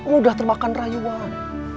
udah termakan rayuan